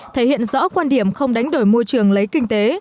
thể hiện rõ quan điểm không đánh đổi môi trường lấy kinh tế